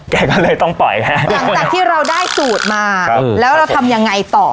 แกก็เลยต้องปล่อยให้หลังจากที่เราได้สูตรมาครับแล้วเราทำยังไงต่อ